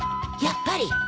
やっぱり！